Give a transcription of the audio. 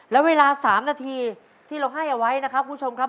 และเวลา๓นาทีที่เราให้เอาไว้นะครับคุณผู้ชมครับ